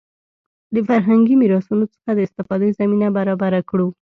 د فرهنګي میراثونو څخه د استفادې زمینه برابره کړو.